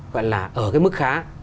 gọi là ở cái mức khá